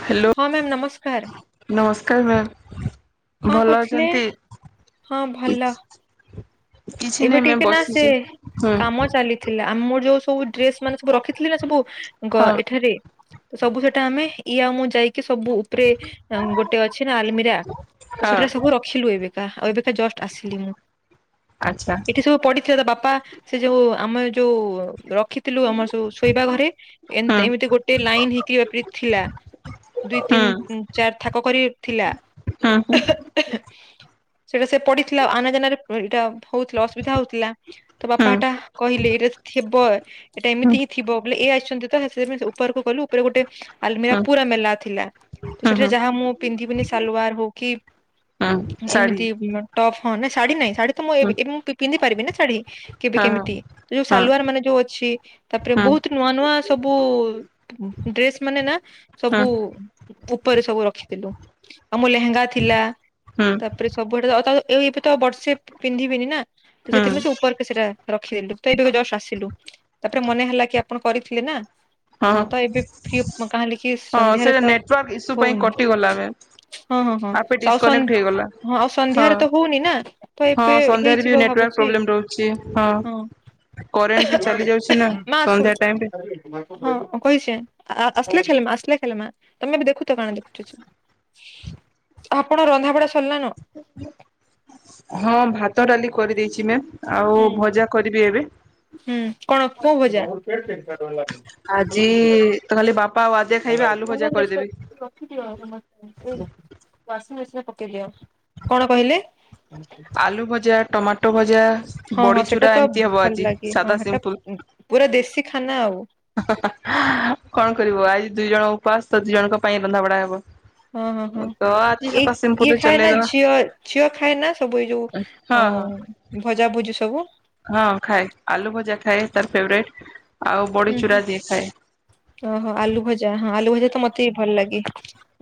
Hello ହଁ ma'am ନମସ୍କାର ନମସ୍କାର ମ୍ୟାମ୍ କଣ ଭଲ କରୁଥୁଲେ। ଅଛନ୍ତି? [inaudible] ହଁ ଭଲ। କିଛି ଏବେ ନାହିଁ ମ୍ୟାମ୍ ଟିକେ ନାଁ ସେ ବସିଛି ହୁଁ କାମ ଚାଲିଥିଲା। ଆ ମୋର ଯୋଉ ପୋଉ ଡ୍ରେସମାନେ ସବୁ ରଖିଥିଲେ। ନାଁ ସବୁ ଗ ହଁ ଏଠାରେ ତ ସବୁ ସେଟା ଆମେ ଇଏ ଆଉ ମୁଁ ଯାଇ କି ସବୁ ଉପରେ ଉଁ ଗୋଟେ ଅଛି ନାଁ। ଆଲମିରା ତ ହଁ ସେଠାରେ ସବୁ ରଖିଲୁ ଏବେକା। ଆଉ ଏବେକା ଜଷ୍ଟ ଆସିଲି ମୁଁ। ଆଚ୍ଛା [inaudible] ଏଠି ସବୁ ପଡ଼ିଥିବା ତା ବା ବାପା ସେ ଯୋଉ ଆମ ଯୋଉ ର ଦେଖିଥିଲୁ ଆମର ସବୁ ଶୋଇବା ଘରେ ଏନ୍ ହୁଁ ଏମିତି ଗୋଟେ ଲାଇନ ହେଇକିରି ବାପରି ଥିଲା। ଦୁଇ ତିନ ଚାରି ଥାକ କରି ଥିଲା। ଉଁହୁଁ। [inaudible] ସେଟା ସେ ପଡି଼ଥିଲା ଆନାଜାନାରେ ଏଇଟା ହୋଉଥିଲା ଅସୁବିଧା ହୋଉଥିଲା। ତ ହୁଁ ବାପା ହେଟା କହିଲେ‌। ଯଦି ଥିବ ଏଟା ହୁଁ ଏମିତି ହିଁ ଥିବ ବୋଲି ଇଏ ଆସିଛନ୍ତି। ତ ସେଇ ପାଇଁ ଉପରକୁ ଗଲୁ। ଉପରେ ଗୋଟେ ଆଲମିରା ହୁଁ ପୁର ମେଲା ଥିଲା। ହୁଁ ସେଠାରେ ହୁଁ ଯାହା ମୁଁ ପିନ୍ଧିବିନି। ସାଲୱାର ହୋଉ କି ହୁଁ ଶାଢ଼ୀ ଏମିତି ଟପ୍ ହଁ ନାଇଁ ଶଢୀ ନାଇଁ । ଶାଢୀ ତ ମୁଁ ହୁଁ ଏବେ ଏ ମୁଁ ପି ପିନ୍ଧି ପାରିବି ନା ଶାଢୀ। କେବେ ହଁ କେମିତି ଯୋଉ ହଁ। ସାାଲୱାର ମାନେ ଯୋଉ ଅଛି। ତାପରେ ହଁ ହୁଁ ବହୁତ ନୂଆ ନୂଆ ସବୁ ଡ୍ରେସ୍ ମାନେ ନାଁ ହୁଁ ସବୁ ଉପରେ ସବୁ ରଖିଥିଲୁ ଆଉ ମୋ ଲେହେଙ୍ଗା ଥିଲା। ହୁଁ ତାପରେ ସବୁଆଡ଼େ ତ ତ ଏବେ ତ ବର୍ଷେ ପିନ୍ଧିବିନି। ନାଁ ତ ହୁଁ ସେଥିପାଇଁ ସେ ଉପରକ ସେଟା ରଖିଦେଲୁ। ତ ଏବେ ଜଷ୍ଟ ଆସିଲୁ। ତାପରେ ମନେ ହେଲା କି ଆପଣ କରିଥିଲେ ନାଁ ହଁ ତ ଏବେ ପ୍ରିୟପମା ତାହେଲେ କି ହଁ ସେ ସନ୍ଧ୍ୟାରେ ତ ନେଟୱାର୍କ ଇସ୍ୟୁ ପାଇଁ ହୋଉନି। କଟିଗଲା ମ୍ୟାମ୍ [inaudible] ହଁ ହଁ ହଁ ଆପେ ଆଉ ସ ଡିସକନେକ୍ଟ ହେଇଗଲା। ଆଉ ହଁ ସନ୍ଧ୍ୟାରେ ତ ହୋଉନି ନାଁ। ତ ହଁ ଏବେ ହେଇ ସନ୍ଧ୍ୟାରେ ବି ଚିବ ନେଟୱାର୍କ ଭାବୁଚି। ପ୍ରୋବ୍ଲେମ ରହୁଛି [inaudible] ହଁ। କରେଣ୍ଟ ବି ଓହ ଚାଲି ଯାଉଛି ନା ହୋ ମା ଆସୁ। ସନ୍ଧ୍ୟା ଟାଇମରେ। ହଁ କହିଚେଁ। ଆ ଆସିଲେ ଖେଲମା ଆସିଲେ ଖେଲମା ତମେ ଏବେ ଦେଖୁଥ କାଣା ଦେଖୁଚ। ଆପଣ ରନ୍ଧାବଢ଼ା ସରିଲା ନ। କି ମାମ ଆଉ ହୁଁ ଭଜା କରିବି ଏବେ। [inaudible] ହେ ନ ସାର ଆଜି ତ ଖାଲି ବାପା ଆଉ ଆଦ୍ୟା ଖାଇବେ ଆଲୁ ଭଜା କରିଦେବି। [inaudible] ରଖିଦିଅ [inaudible] ୱାସିଂମେସିନରେ ପକେଇ ଦିଅ କଣ କହିଲେ? ଆଲୁ ଭଜା ଟମାଟୋ ଭଜା ହଁ ହଁ ସେଟା ବଡିଚୁରା ତ ଏମିତି ହବ ଭଲ ଆଜି ଲାଗେ ସାଧା ହଁ ସେଟା ସିମ୍ପୁଲ। ପୁରା ଦେଶୀ ଖାନା ଆଉ କଣ କରିବୁ ଆଜି ଦି ଜଣ ଉପାସ ତ ଦି ଜଣଙ୍କ ପାଇଁ ରନ୍ଧାବଢା ହେବ ହଁ ହଁ ହଁ ଏଇ ଇଏ ସିମ୍ପୁଲରେ ଖାଏ ନା ଚଲେଇଦବା ଝିଅ ଝିଅ ଖାଏ ନା ସବୁ ଏଇ ଯୋଉ ହଁ ହଁ। ଉଁ ଭଜା ଭୁଜି ସବୁ ହଁ ଖାଏ ଆଲୁ ଭଜା ଖାଏ ତାର ଫେବରେଟ ହୁଁ ହୁଁ ଓହୋ ଆଲୁ ଭଜା ହଁ ଆଲୁ ଭଜା ତ ମତେ ବି ଭଲ ଲାଗେ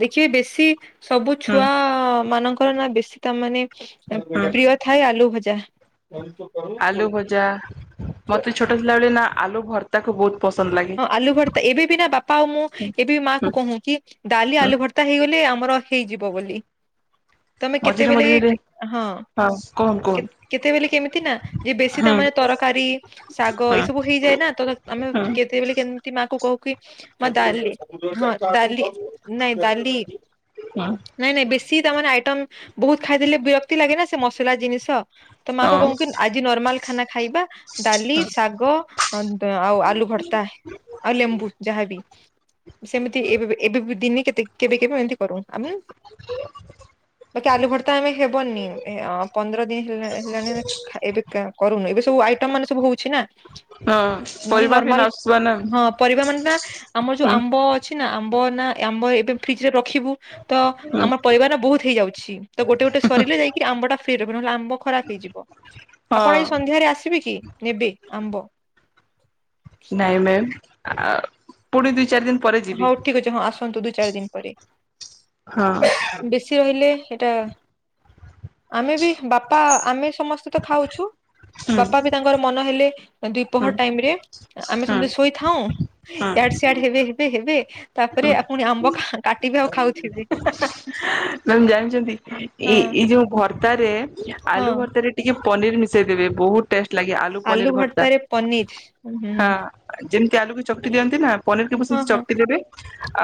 ଦେଖିବେ ବେଶୀ ସବୁ ହୁଁ ଛୁଆ ମାନଙ୍କ ନା ବେଶୀ ତା ମାନେ ଉଁ ହୁଁ ପ୍ରିୟ ଥାଏ ଆଲୁ ଭଜ ଜା ଆଲୁ ଭଜା ମତେ ଛୋଟ ଥିଲା ବେଳେ ନା ଆଲୁ ଭର୍ତାକୁ ବହୁତ ପସନ୍ଦ ଲାଗେ ହଁ ଆଲୁ ଭର୍ତା ଏବେ ବି ନା ବାପା ଆଉ ମୁଁ ହୁଁ ଏବେ ବି ମା ହୁଁ କୁ କହୁ କି ଡାଲି ହୁଁ। ଆଲୁ ଭର୍ତା ହେଇଗଲେ ଆମ ମର ହେଇଯିବ ବୋଲି ତମେ ମଝିରେ କେତେବେଲେ ମଝିରେ ହଁ କୁହନ୍ତୁ କୁହନ୍ତୁ କେ କେତେବେଲେ କେମିତି ନା ଯେ ବେଶୀ ତା ହୁଁ ମାନେ ତରକାରୀ ଶାଗ ହୁଁ ଏଇ ସବୁ ହେଇଯାଏ ନା ତ ତ ଆମେ ହୁଁ ତେବେଲେ କେମତି ମା କୁ କହୁ କି ମା ଡାଲି ସବୁ [inaudible] ଡାଲି ନାଇଁ ଡାଲି ହୁଁ ନାଇଁ ନାଇଁ ବେ ସିଏ ତା ମାନେ ଆଇଟମ ବହୁତ ଖାଇଦେଲେ ବିରକ୍ତି ଲାଗେ ନା ସେ ମସଲା ଜିନିଷ ତ ମା କୁ ହଁ କହୁ କି ଆଜି ନର୍ମାଲ ଖାନା ଖାଇବା ଡାଲି ଶାଗ ଉଁ ଆଉ ଆଳୁ ଭର ତା ଆଉ ଲେମ୍ବୁ ଯାହା ବି ସେମିତି ଏବେ ବି ଏବେ ବି ଦିନେ କେତେ କେବେ କେବେ ଏମିତି କରୁ। ଆମେ ବାକି ଆଲୁ ଭର୍ତ୍ତା ଆମେ ହେବନି ଏ ଏଁ ପନ୍ଦର ଦିନି ନି ହେଲାଣି ଖା ଏବେ କ କରୁନୁ ଏବେ ବୁ ଆଇଟମ ମାନେ ସବୁ ହଉଛି ନା ହଁ ନହେଲେ ପରିବା ବି ନର୍ମାଲ ନସ ହଁ ପରିବା ମାନେ ନା ଆମର ଯୋଉ ହୁଁ ଆମ୍ବ ଅଛି ନା ଆ ଆମ୍ବ ନା ଆମ୍ବ ଏବେ ଫ୍ରିଜ ରେ ର ରଖିବୁ ତ ହୁଁ ଆମର ପରିବାର ବହୁତ ହେଇଯାଉଛି ତ ଗୋଟେ ଗୋଟେ ସରିଲେ ଯାଇକି ଆମ୍ବ ଟା ଫ୍ରି ରହିବ ନହେଲେ ଆମ୍ବ ଖରାପ ହେଇଯିବ ହଁ ଆପଣ ଏଇ ସନ୍ଧ୍ୟାରେ ଆସିବେ କି ନେବେ ଆମ୍ବ [inaudible] ହାଏ ମ୍ୟାମ ଆଉ ପୁଣି ଦୁଇ ଚାର ଦିନ ପରେ ଯିବି ହଉ ଠିକ ଅଛି ହଁ ଆସନ୍ତୁ ଦୁଇ ଚାରି ଦିନ ପରେ। ହଁ ବେଶୀ ରହିଲେ। ସେଇଟା ଆମେ ବି ବାପା ଆମେ ସମସ୍ତେ ତ ଖାଉଛୁ ହୁଁ ହୁଁ ବାପା ବି ତାଙ୍କର ମନ ହେଲେ। ହୁଁ ଦ୍ୱିପହର ଟାଇମ ରେ ଆମେ ହୁଁ ହୁଁ ସମସ୍ତେ ଶୋଇଥାଉ ଇଆଡ ସିଆଡ ହେବେ ବେ ତାପରେ ପୁଣି ଆମ୍ବ କା କାଟିବେ ଆଉ ଖାଉଥିବେ। ମ୍ୟାମ ଜାଣିଛନ୍ତି ହଁ ଏଇ ଏଇ ଯୋଉ ଭର୍ତାରେ ହଁ ଆଲୁ ଭର୍ତା ରେ ଟିକେ ପନିର୍ ମିଶେଇ ଦେବେ ବହୁତ ଟେଷ୍ଟ ଲାଗେ ପନିର ଆଲୁ ଭର୍ତ୍ତା ଭର୍ତାରେ ପନିର ହଁ ହୁଁ ଯେମିତି ଆଲୁ କୁ ଚକଟି ଦିଅନ୍ତି ନା ପନିର କି ହଁ ହଁ ବି ଦେବେ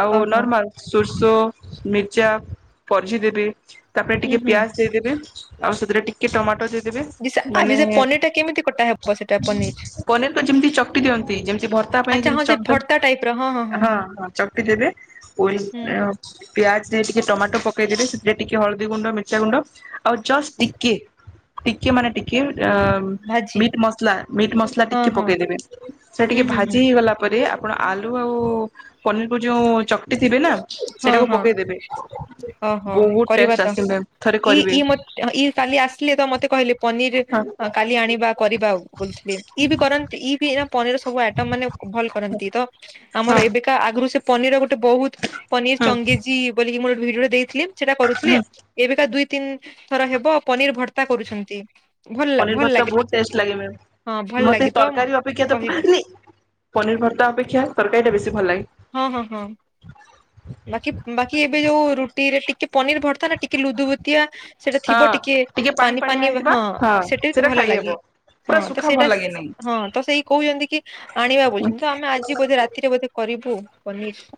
ଆଉ ଓହୋ ନର୍ମାଲ ସୋର ସୋ ମିର୍ଚା ପଝି ଦେବେ ତାପରେ ହୁଁ ଟିକେ ହୁଁ ପିଆଜ ଦେଇଦେବେ ଆଉ ସେଥିରେ ଟିକେ ଟମାଟୋ ଦେଇ ଦେବେ ମାନେ ଆଜି ସେ ପନିର ଟା କେମିତି କଟା ହେବ ସେଟା ପନିର ପନିର କୁ ଯେମିତି ଚକଟି ଦିଅନ୍ତି ଯେମତି ଭର୍ତା ପାଇଁ ଆଚ୍ଛା ଯେମତି ହଁ ସେ ଚକ୍ଟ ଭର୍ତ୍ତା ଟାଇପ ର ହଁ ହଁ ଚକଟି ଦେବେ ଓଲ ହୁଁ ପିଆଜ ଟିକେ ଟମାଟ ଦେବେ ସେଥିରେ ଟିକେ ହଳଦୀ ଗୁଣ୍ଡ ମିର୍ଚା ଗୁଣ୍ଡ ଅ ଜସ୍ଟ ଟିକେ। ଟିକେ ମାନେ ଟିକେ ଭାଜି ମି୍ ଆର ମସଲା ମିଟ ମସଲା ହଁ ଟିକେ ହଁ ପକେଇଦବେ ସେ ହୁଁ ଟିକେ ହୁଁ ହୁଁ ଭାଜି ହେଇଗଲା ପରେ। ଆପଣ ଆଲୁ ଆଉ-ଉ-ଉ ପନିର କୁ ଯୋଉ ଉ ଉ ଚକଟି ଥିବେ ନା ହଁ ସେଟାକୁ ପକେଇଦେବେ। ହଁ ବହୁତ କରିବା ଟେଷ୍ଟ ତ ଆସେ ମ୍ୟାମ୍ ଥରେ ଇ କରିବେ ଇ ମତେ ଇ କାଲି ଆସିଲେ ତ ମତେ କହିଲେ ପ ହଁ କାଲି ଆଣିବା କରିବା ବୋଲୁଥିଲେ ଇ ବି କରନ୍ତି ଇ ବି ଏରା ପନିର ସବୁ ଆଇଟମ ମାନେ ଭଲ କରନ୍ତି ତ ହଁ ଆମର ଏବେକା ଆଗରୁ ସେ [unintelligible] ବହୁତ ପନିର ହୁଁ ଚଙ୍ଗେଜିୀ ବୋଲିକି ମୋର ଭିଡିଓରେ ଦେଇଥିଲେ। ସେଟା କରୁଥିଲେ ହୁଁ ଏବେକା ଦୁଇ ତିନି ଥର ହେବ ପନିର ଭର୍ତ୍ତା କରୁଛନ୍ତି। ଭଲ ପନିର ଭଲ ଭର୍ତ୍ତା ଲାଗେ ବହୁତ ଟିକେ ଟେଷ୍ଟ ଲାଗେ ମ ହଁ ଭଲ ଲାଗେ ମତେ ତ ତରକାରୀ ଅପେକ୍ଷା ତ କହିବି ପନିର ଭର୍ତ୍ତା ଅପେକ୍ଷା ତରକାରୀଟା ବେଶୀ ଭଲ ଲାଗେ ହୁଁ ହୁଁ ହୁଁ ବାକି ବାକି ଏବେ ଯୋଉ ରୁଟିରେ ଟିକେ ପନିର ଭରତ୍ତା ନା ଟିକେ ଲୁଦୁ ବୁତିଆ ସେଇଟା ହଁ ଥିବ ଟିକେ ପାଣି ପାନି ପାଣିଆ ଫାନି ହେଇଥିବା ହଁ ସେଟା ବି ସେଇଟା ଭଲ ଖାଇହବ। ଲାଗେ ପୁରା ହଁ ତ ସୁଖା ଭଲ ସେଇଟା ଲାଗେନି ହଁ ତ ସେଇ କହୁଛନ୍ତି କି ଆଣିବା ବୁଛନ୍ତି ତ ଆମେ ଆଜି ବୋଧେ ରାତିରେ ବୋଧେ କରିବୁ ପନିର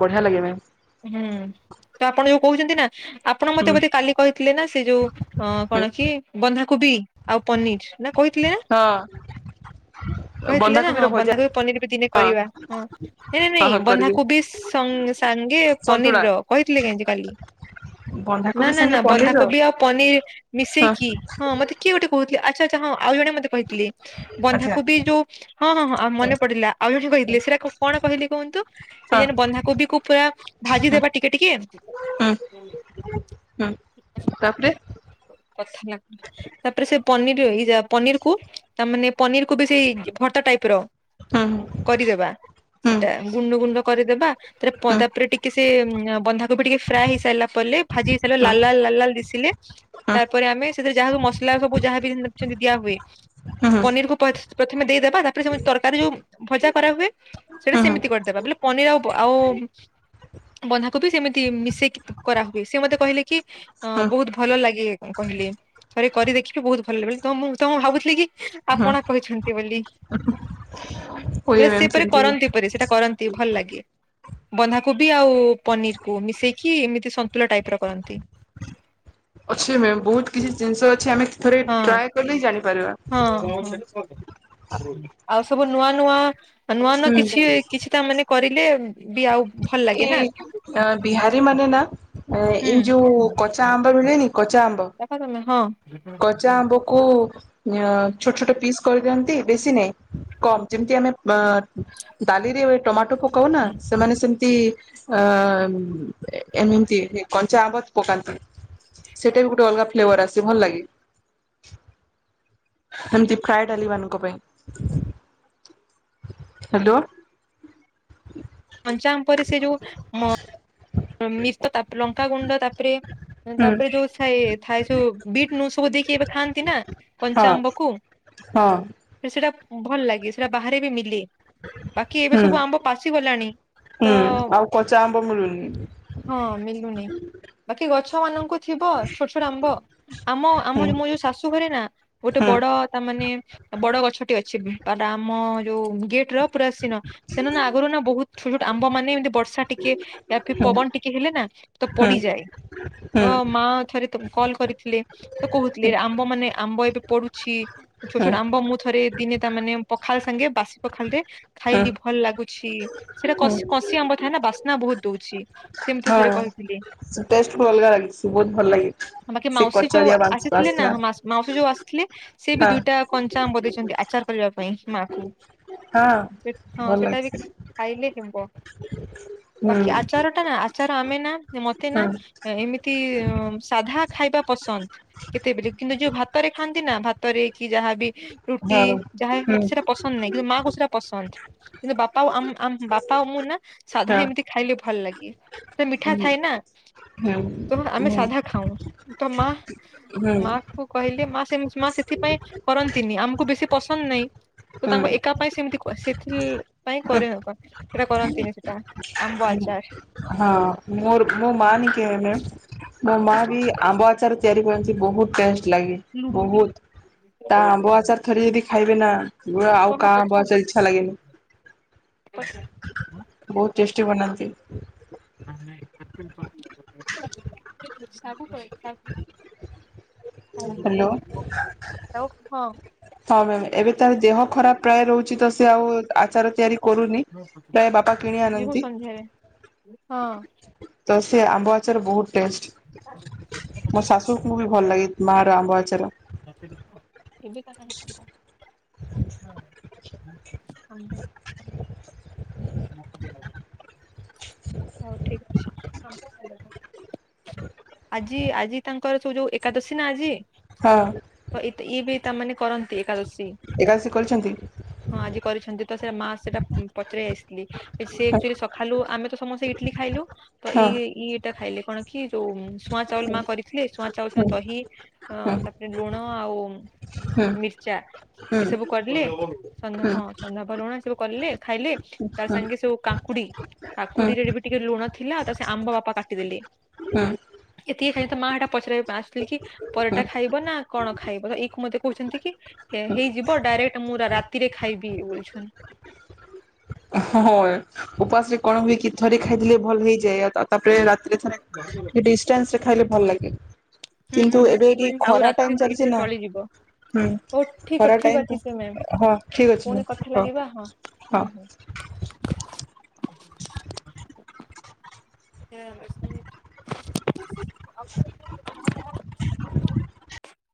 ବଢ଼ିଆ ଲାଗେ ମ୍ୟାମ ହୁଁ ତ ଆପଣ ଯୋଉ କହୁଛନ୍ତି ନା ଆପଣ ମତେ ହୁଁ ବୋଧେ କାଲି କହିଥିଲେ ନା ସେ ଯୋଉ ଅ ହୁଁ କଣ କି ବନ୍ଧା କୋବି ଆଉ ପନିର ନା କହିଥିଲେ ନା ହଁ କହିଥିଲେ ନା ବନ୍ଧାକୋବିର ହଁ ଭଜା ବନ୍ଧାକୋବି ପନିର ବି ଦିନେ ହଁ କରିବା ହଁ ନାଇଁ ହଁ ନାଇଁ ହଁ କରିବି ବନ୍ଧାକୋବି ତଙ୍ଗ ସାଙ୍ଗେ ପନିର ସନ୍ତୁଳା ର କହିଥିଲେ କହିଁକ କାଲି ନା ବନ୍ଧାକୋବି ନା ସାଙ୍ଗେ ନା ପନିର ବନ୍ଧାକୋବି ଆଉ ପନିର ହଁ ମିଶେଇକି ହଁ ମତେ କିଏ ଗୋଟେ କହୁଥିଲେ। ଆଛ ଅଛା ହଁ ଆଉ ଜଣେ ମତେ କହିଥିଲି ଆଚ୍ଛା ବନ୍ଧାକୁ ବି ଯୋଉ ହଁ ହଁ ହଁ ମନେ ପଡିଲା ଆଉ ଜଣେ କହିଥିଲେ ସେଟା କଣ କହିଲି କୁହନ୍ତୁ ହଁ ସେେ ବନ୍ଧା କୋବି କୁ ପୁରା ଭାଜିଦବା ଟିକେ ଟିକେ ହୁଁ ହୁଁ ତାପରେ କଥା ଲିଲ ତାପରେ ସେ ପନିର ଏଇ ଯା ପନିର କ ତା ମାନେ ପନିର କୁ ବି ସେଇ ଭର୍ତା ଟାଇପ ର ହୁଁ କରିଦବା ହୁଁ ସେଟା ଗୁଣ୍ଡ ଗୁଣ୍ଡ କରିଦବା ହୁଁ ତା ହୁଁ ତାପରେ ଟିକେ ସେ ବନ୍ଧାକୁ ବି ଟିକେ ଫ୍ରାଏ ହେଇସାରିଲା ପରେ ଭାଜି ହେଇସାରିଲ ଲା ହୁଁ ଲାଲ ଲା ଲଲ ଦିଶିଲେ ହୁଁ ତାପରେ ଆମେ ସେଥିରେ ଯାହାବ ମସଲା ସବୁ ଯାହାବ ଦିଆ ହୁଏ। ହୁଁ ହୁଁ ହୁଁ [unintelligible] ପ୍ରଥମେ ଦେଇଦବା ତାପରେ ସେ ତରକାରୀ ଯୋଉ ଭଜା କରାହୁୁଏ ସେଟା ସେମିତି କରିଦବା ବୋଇଲେ ପନିର ଆଉ ଆଉ ବନ୍ଧାକୋବି ସେମିତି ମିଶେଇକି କରାହୁଏ ସେି ମତେ କହିଲେ କି ହୁଁ ବହୁତ ଭଲ ଲାଗେ କହିଲି ଥରେ କରି ଦେଖିବି ବହୁତ ଭଲ ଲାଗ ବୋଲି ତ ମୁଁ ତମ ଭାବୁଥିଲି କି ହୁଁ ଆପଣ କହିଛନ୍ତି ବୋଲି ହୁଏ ସିଏ ମ୍ୟାମ୍ ପରି ସେମିତି କରନ୍ତି ପ ସେଇଟା କରନ୍ତି ଭଲ ଲାଗେ। ବନ୍ଧାକୋବି ଆଉ ପନିର କ ମିଶେଇକି ଏମିତି ସନ୍ତୁଳା ଟାଇପ ର କରନ୍ତି। ଅଛେ ମ୍ୟାମ୍ ବହୁତ୍ କିଛି ଜିନିଷ ଅଛି ଆମେ। ଥରେ ହଁ ଟ୍ରାଏ କଲେ ଜାଣିପାରିବା। ହଁ। ଆଉ ସବୁ ନୂଆ ନୂଆ। ନୂଆ ନୂ ହୁଁ କିଛି କିଛି ତା ମାନେ। କରିଲେ ବି ଆଉ ଭଲ ଲାଗେ ନା ଏଇ ବିହାରୀ ମାନେ ନା ହୁଁ ଏଇ ଯୋଉ କଚା ଆମ୍ବ ମିଳେନି କଚା ଆମ୍ବ ଦେଖ ତମେ ହଁ କଚା ଆମ୍ବ କ ଛୋଟ ଛୋଟ ପିସ୍ କରିଦିଅନ୍ତି ବେଶି ନାହି କମ ଯେମିତି ଆମେ ଆ ଡାଲିରେ ଟମାଟୋ ପକାଉ ନା ସେମାନେ ସେମି ତି ଅ ଏମିତି କଞ୍ଚା ଆମ୍ୱ ପକାନ୍ତି। ସେଇଟା ବି ଗୋଟେ ଅଲଗା ଫ୍ଲେବର ଆସେ ଭଲଲାଗେ ଏମିତି ଫ୍ଲାଏ ଡାଲି ମାନଙ୍କ ପାଇଁ ହାଲୋ ପଞ୍ଚାମ ପରେ ସେ ଯୋଉ ମ ମିଶ ତାରେ ଲଙ୍କାଗୁଣ୍ଡ ତାପରେ ତାପରେ ଯୋଉ ଥାଏ ସ ବିଟ୍ ନୁ ସବୁ ଦେଇକି ଏବେ ଖାଆନ୍ତି ନା କଞ୍ଚା ହଁ ଆମ୍ବକୁ ସେଇଟା ଭଲ ଲାଗେ ସେଇଟା ବାହାରେ ବି ମିଲେ ବାକି ଏବେ ସବୁ ଆମ୍ବ ପାଚି ଗଲାଣି ତ ହୁଁ ଆଉ କଚା ଆମ୍ବ ମିଳୁନି ହଁ ମିଲୁନି ବାକି ଗଛ ମାନଙ୍କୁ ଥିବ ଛୋଟ ଛୋଟ ଆମ୍ବ ଆମ ଆମ ମୋ ଯୋଉ ଶାଶୁ ଘରେ ନା ଗୋଟେ ହୁଁ ବଡ ତାମାନେ ବଡ ଗଛଟି ଅଛି ପାର ଆମ ଯୋଉ ଗେଟ ର ପୁରା ସେ ଆଗରୁ ନା ବହୁତ ଛୋଟ ଛୋଟ ଆମ୍ବ ମାନ ଏମ ବର୍ଷା ଟିକେ ହୁଁ ପବନ ଟିକେ ହେଲେ ନା ତ ହୁଁ ପଡିଯାଏ ହୁଁ ତ ମା କଲ୍ କରିଥିଲେ। ତ କହୁଥିଲଥିଲେ ଆମ୍ବ ମାନେ ଆମ୍ବ ଏବେ ପଡୁଛି। ଛୋଟ ହୁଁ ଛୋଟ ଆମ୍ବ ମୁଁ ଥରେ ଦିନେ ତା ମାନେ ପଖାଲ ସାଙ୍ଗେ ବାସି ପଖାଳ ଟେ ହୁଁ ଖାଇଲି ଭଲ ଲାଗୁ ଠିକ ସେଇଟା କଶି ହୁଁ କଶି ଆମ୍ବ ଥା ନା ବା ନା ବହୁତ ଦଉଛି ସେମିତି ଥରେ ହଁ କହିଥିଲେ ଟେଷ୍ଟ ପୁରା ଅଲଗା ଲାଗିଛି ବହୁତ ଭଲ ଲାଗିଛି। ବାକି ସେ ମାଉସୀ ଯୋଉ କଚଡିଆ ବାଂସ ଆସିଥିଲେ ନା ବାସ୍ନା ମାଉସୀ ଯୋଉ ଆସିଥିଲେ ସେ ବି ହଁ ଦିଇଟା କଞ୍ଚା ଆମ୍ବ ଦେଇଛନ୍ତି ଆଚାର କରିବା ପାଇଁ ମାକୁ ହଁ ହଁ ଭଲ ସେଟା ବି ଲାଗିଛି। ଖାଇଲେ କ [inaudible] ବାକି ହୁଁ ଆଚାର ଟା ନା ଆଚାର ତମେ ନା ମତେ ନା ହଁ ଏମତି ସାଧା ଖାଇବା ପସନ୍ଦ କେତେବେଳେ କିନ୍ତୁ ଯୋଉ ଭାତରେ ଖାଆନ୍ତି ନା ଭାତରେ କି ଯାହାବି ରୁଟି ହଁ ଚାହା ହୁଁ ମତେ ସେଟା ପସନ୍ଦ ନାହିଁ କିନ୍ତୁ ମା କୁ ସେଟା ପସନ୍ଦ କିନ୍ତୁ ବାପା ଆଉ ବାପା ମୁଁ ନା ସାଧା ହଁ ଏମିତି ଖାଇଲେ ଭଲ ଲାଗେ ସେ ମିଠା ହୁଁ। ଥାଏ ନା ହୁଁ ତ ଆମେ ହୁଁ ସାଧା ଖାଉ ତ ମା ହୁଁ ମା କୁ କହିଲେ ମା ମା ସେଥିପାଇଁ କରନ୍ତିନି ଆମକୁ ବେଶୀ ପସନ୍ଦ ନାହିଁ। ତ ହୁଁ ତାଙ୍କ ଏକା ପାଇଁ ସେମିତି ସେଥିପାଇ କରିହେବ ସେଟା କରନ୍ତିନି ସେଟା ଆମ୍ବ ଆଚାର ହଁ ମୋର ମା [inaudible] ହିମ ହିମ ମ ମା ଆସିଲା ବି ଆମ୍ବ ଆଚାର ତିଆରି କନ୍ତି ବହୁତ ଟେଷ୍ଟ ଲାଗେ ବହୁତ ତା ଆମ୍ବ ଆଚାର ଥରେ ଯଦି ଖାଇବେ ନା ଆଉ କହ କାହା ପଚରା [inaudible] ଇଚ୍ଛା ଲାଗେନି ବହୁତ ଚେଷ୍ଟା ହୁଁ ନା ନାଇଁ [inaudible] ହାଲୋ ଶାଗୁ ହଁ ମାମ ଏବେ ତାର ଦେହ ଖରାପ ପ୍ରାୟ ରହୁଛି ତ ସେ ହଁ ଆଉ ଆଚାର ତିଆରି କରୁନି ପ୍ରାୟ ବାପା କିଣି ଯିବୁ ଆଣନ୍ତି। ସନ୍ଧ୍ୟାରେ ହଁ ତ ସେ ଆମ୍ବ ଆଚର ବହୁତ ଟେଷ୍ଟ ମୋ ଶାଶୁକୁ ବି ଭଲ ଲାଗେ ମାଆର ଆମ୍ବ ଆଚାର ହଉ ଠିକ ଅଛି ଆଜି ଆଜି ତାଙ୍କର ସ ଯୋଉ ଏକାଦଶୀ ନା ଆଜି ହଁ ତ ଏ ବି ତାମାନେ କରନ୍ତି। ଏକାଶୀ ଏକାଦଶୀ କରିଛନ୍ତି ହଁ ଆଜି କରିଛନ୍ତି ତ ସେ ମା ସେଟା ପଚାର ଆସିଥିଲି ହଁ ସେଚୁ ସଖାଲୁ ଆମେ ତ ସମସ୍ତେ ଇଟିଲି ଖାଇଲୁ ତ ହଁ ଇଇଇଟା ଖାଇଲେ ଆପଣ କି? ଯୋଉ ଶୁଆଁ ଚାଉଳ ମା କରିଥିଲେ ଶୁଆ ଚାଉଳ ସଙ୍ଗେ ଦହି ହଁ ହଁ। ତା ଡ ହଁ ଆଉ ହୁଁ ହଁ ମିର୍ଚା ହୁଁ ଏ ହୁଁ ସବୁ କରିଲି ହଁ ହୁଁ ହଁ ଚନ୍ଦ ବଲୁଣ ସବୁ କିଲେ ଖାଇଲେ ତାର ସାଙ୍ଗେ ସ କାଙ୍କୁଡି ହୁଁ କାକୁଡି ରେ ବି ଟିକେ ଲୁଣ ଥିଲାଉ ତା ସେ ଆମ୍ବ ବାପା କାଟିଦେଲି। ହଁ ଏତିକି ଖାଇ ତ ମାଟା ପଚାରିବା ଆସିଲିକ କି ପରଟା ଖାଇବ ନା କଣ ଖାଇବ ଏଇ କ ମତେ କହୁଛନ୍ତି କି ହେଇଯିବ ଡାଇରେକ୍ଟ ମୁଁ ରାତିରେ ଖାଇବି ବୁଲି ଛନ୍ ହଁ ଉପାସ ରେ କଣ ହୁଏ କି ଥରେ ଖାଇଦେଲେ ଭଲ ହେଇଯାଏଉ ତାପରେ ରା ଡିସଟାନସ୍ ଖାଇଲେ ଭଲ ଲାଗେ। ହୁଁ କିନ୍ତୁ ହୁଁ ଏବେ ହୁଁଇ ଏଠି କ ଆଉ ଖରା ଟାଇମ ରାତି ଚାଲିଛି ଏଇଠା ତ ନା ଚଳିଯିବ ହୁଁ ହଉ ଠିକ ଖରା ଠିକ ଟାଇମ ଅଛି ସେ ମୋମ୍ ଟା ହଁ ଠିକ ଅଛି ପୁଣି ମ୍ୟାମ୍ କଥା ଲାଗିବା ହଉ ହଁ ହଁ। ହୁଁ ହୁଁ। ହ